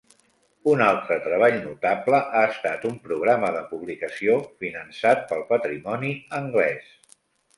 Un altre treball notable ha estat un programa de publicació finançat pel Patrimoni anglès.